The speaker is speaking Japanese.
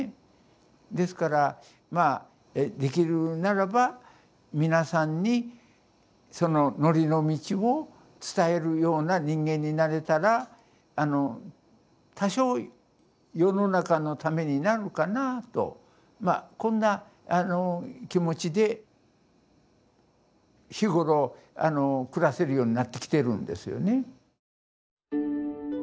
ですからまあできるならば皆さんにその法の道を伝えるような人間になれたら多少世の中のためになるかなぁとこんな気持ちで日頃暮らせるようになってきてるんですよね。